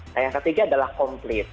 nah yang ketiga adalah komplit